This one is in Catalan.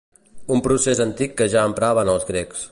Un procés antic que ja empraven els grecs.